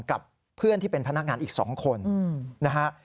กับเพื่อนที่เป็นพนักงานอีก๒คนนะฮะ